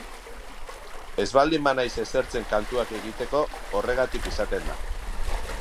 Ez baldin banaiz esertzen kantuak egiteko, horregatik izaten da.